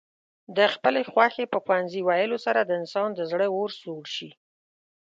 د خپلې خوښې په پوهنځي ويلو سره د انسان د زړه اور سوړ شي.